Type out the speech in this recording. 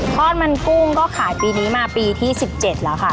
ทอดมันกุ้งก็ขายปีนี้มาปีที่๑๗แล้วค่ะ